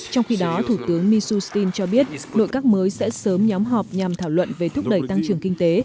trong khi đó thủ tướng mishustin cho biết nội các mới sẽ sớm nhóm họp nhằm thảo luận về thúc đẩy tăng trưởng kinh tế